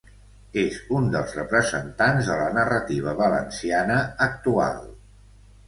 És un dels representants de la narrativa valenciana actual.